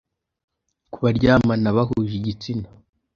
ku baryamana bahuje igitsina